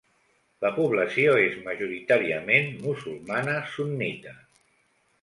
La població és majoritàriament musulmana sunnita.